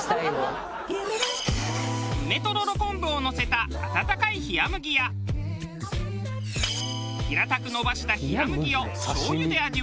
梅とろろ昆布をのせた温かい冷麦や平たく延ばした冷麦をしょうゆで味わう